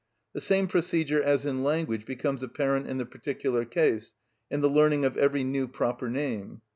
The same procedure as in language becomes apparent in the particular case, in the learning of every new proper name.